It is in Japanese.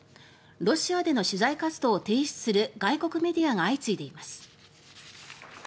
ロシアでの取材活動を停止する外国メディアが相次いでいます。